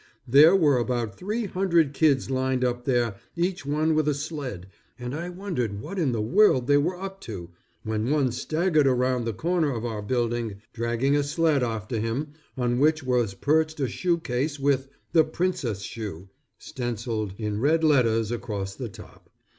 There were about three hundred kids lined up there, each one with a sled, and I wondered what in the world they were up to, when one staggered around the corner of our building, dragging a sled after him, on which was perched a shoe case with "The Princess Shoe," stencilled in red letters across the top.